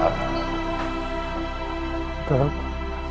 apa ini bun indeed kan